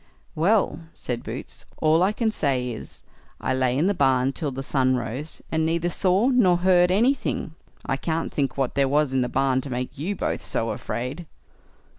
"Well", said Boots, "all I can say is, I lay in the barn till the sun rose, and neither saw nor heard anything; I can't think what there was in the barn to make you both so afraid."